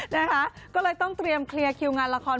นะคะก็เลยต้องเตรียมเคลียร์คิวงานละคร